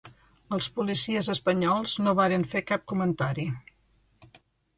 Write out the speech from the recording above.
Els policies espanyols no varen fer cap comentari.